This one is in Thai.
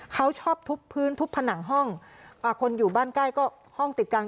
เขาชอบทุบพื้นทุบผนังห้องคนอยู่บ้านใกล้ก็ห้องติดกัน